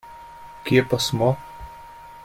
Kje pa smo?